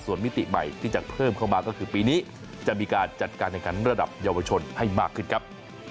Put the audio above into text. ส่วนมิติใหม่ที่จะเพิ่มเข้ามาก็คือปีนี้จะมีการจัดการแข่งขันระดับเยาวชนให้มากขึ้นครับ